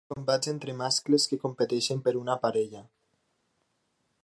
Es produeixen combats entre mascles que competeixen per una parella.